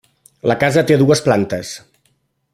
La casa té dues plantes.